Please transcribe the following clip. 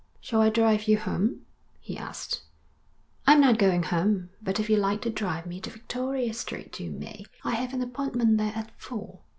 'Shall I drive you home?' he asked. 'I'm not going home, but if you like to drive me to Victoria Street, you may. I have an appointment there at four.'